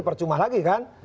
percuma lagi kan